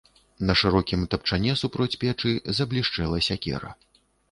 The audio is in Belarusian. На шырокім тапчане супроць печы заблішчэла сякера.